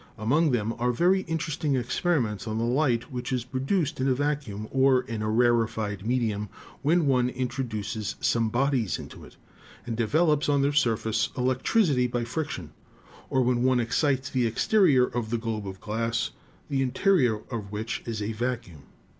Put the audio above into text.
Among them are very interesting experiments on the light which is produced in a vacuum or in a rarefied medium when one introduces some bodies into it, and develops on their surface electricity by fric tion ; or when one excites the exterior of a globe of glass, the interior of which is a vacuum.